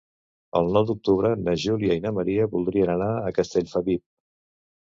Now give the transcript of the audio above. El nou d'octubre na Júlia i na Maria voldrien anar a Castellfabib.